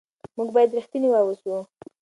موږ باید رښتیني واوسو.